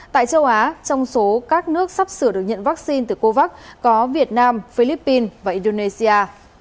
tại châu á trong số các nước sắp sửa được nhận vaccine từ covax có việt nam philippines và indonesia